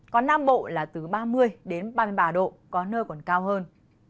còn nam bộ là từ ba mươi ba mươi ba độ có nơi còn cao hơn